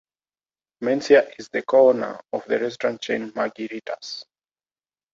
Mencia is the co-owner of the restaurant chain Maggie Rita's.